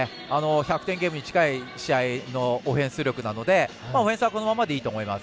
１００点ゲームに近い試合のオフェンス力なのでオフェンスはこのままでいいと思います。